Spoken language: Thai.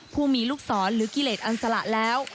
ผู้มีลูกศรหรือกิเลสอังสละแล้ว